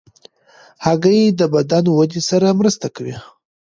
هګۍ د بدن ودې سره مرسته کوي.